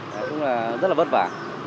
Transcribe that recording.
nó cũng là rất là vất vả